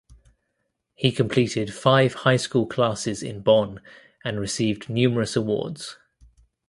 He completed five high school classes in Bonn and received numerous awards.